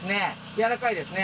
柔らかいですね。